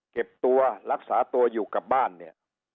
เก็บตัวรักษาตัวอยู่กับบ้านเนี่ย